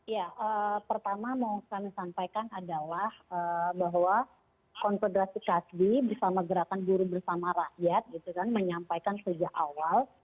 ya pertama mau kami sampaikan adalah bahwa konfederasi kasbi bersama gerakan buruh bersama rakyat menyampaikan sejak awal